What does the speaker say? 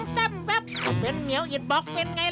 และคู่อย่างฉันวันนี้มีความสุขจริง